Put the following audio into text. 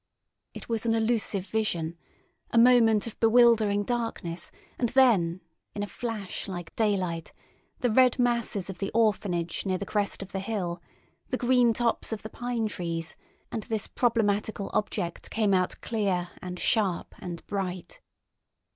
It was an elusive vision—a moment of bewildering darkness, and then, in a flash like daylight, the red masses of the Orphanage near the crest of the hill, the green tops of the pine trees, and this problematical object came out clear and sharp and bright.